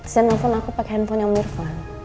sende nelfon aku pake handphonenya om irfan